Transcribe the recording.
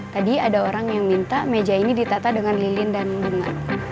tadi ada orang yang minta meja ini ditata dengan lilin dan bunga